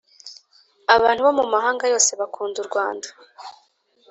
abantu bo mu mahanga yose bakunda urwanda